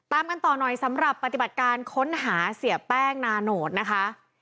ตามกันต่อหน่อยสำหรับปฏิบัติการค้นหาเสียแป้งนาโนตนะคะ